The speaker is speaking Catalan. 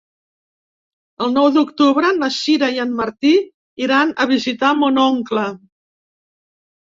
El nou d'octubre na Sira i en Martí iran a visitar mon oncle.